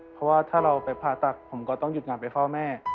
เพราะว่าถ้าเราไปผ่าตัดผมก็ต้องหยุดงานไปเฝ้าแม่